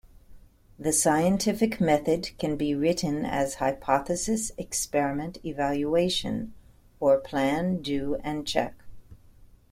The scientific method can be written as "hypothesis"-"experiment"-"evaluation" or plan, do and check.